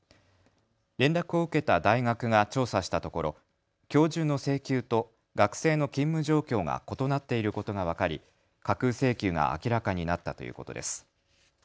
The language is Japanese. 連絡を受けた大学が調査したところ、教授の請求と学生の勤務状況が異なっていることが分かり架空請求が明らかになったということです。